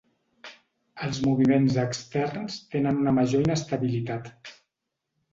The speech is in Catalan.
Els moviments externs tenen una major inestabilitat.